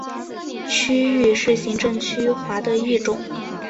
区域是行政区划的一种。